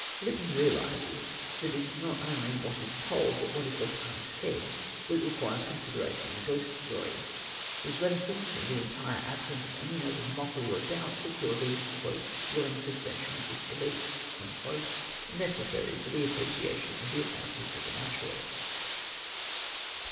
Lytton realises that it is not only what is told but what is left unsaid that requires consideration in a ghost story. His reticence and the entire absence of any note of mockery or doubt secure the "willing suspension of disbelief" necessary to the appreciation of the apparently supernatural.